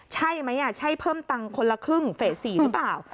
ใช่ไหมใช่เพิ่มตังค์คนละครึ่งเฟส๔หรือเปล่า